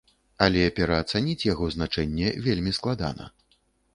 Але пераацаніць яго значэнне вельмі складана.